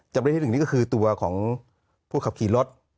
จำเลยที่๑นี้ก็คือตัวของผู้ขับขี่รถ